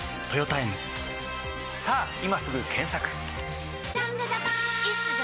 さぁ今すぐ検索！